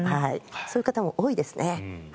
そういう方も多いですね。